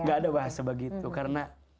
gak ada bahasa begitu karena